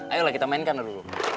ayolah kita mainkan dulu